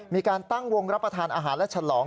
มีการตั้งวงรับประทานอาหารและฉลอง